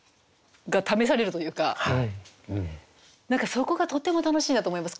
何かそこがとても楽しいなと思います。